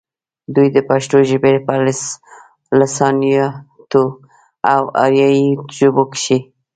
دوي د پښتو ژبې پۀ لسانياتو او اريائي ژبو کښې